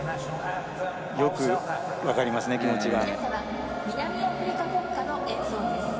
よく分かりますね、気持ちが。